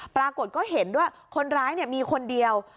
ปรากฏก็เห็นด้วยคนร้ายมีคนเดียว